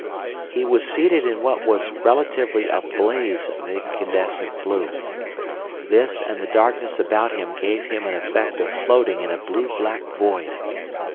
"He was seated in what was relatively a blaze of incandescent blue. This, and the darkness about him gave him an effect of floating in a blue black void.